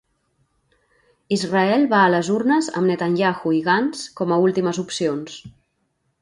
Israel va a les urnes amb Netanyahu i Gantz com a últimes opcions.